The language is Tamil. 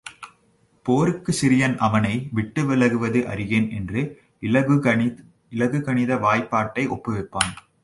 போருக்குச் சிறியன் அவனை விட்டு விலகுவது அறியேன் என்று இலகுகனித வாய் பாட்டை ஒப்புவிப்பான்.